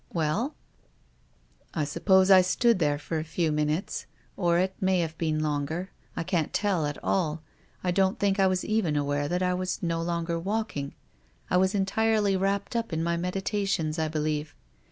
" Well ?"" I suppose I stood there for a few minutes, or it may have been longer. I can't tell at all. I don't think I was even aware that I was no longer walking. I was entirely wrapped up in my medi tations, I believe.